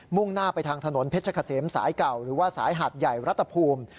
่งหน้าไปทางถนนเพชรเกษมสายเก่าหรือว่าสายหาดใหญ่รัฐภูมิ